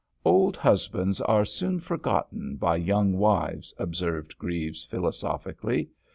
"Old husbands are soon forgotten by young wives," observed Greaves philosophically.